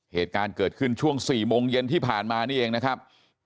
เหตุการณ์เกิดขึ้นช่วง๔โมงเย็นที่ผ่านมานี่เองนะครับ